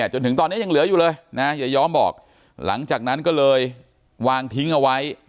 จนถึงตอนนี้ยังเหลืออยู่เลยนะยายอมบอกหลังจากนั้นก็เลยวางทิ้งเอาไว้